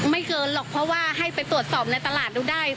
เกินหรอกเพราะว่าให้ไปตรวจสอบในตลาดดูได้